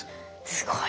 すごい。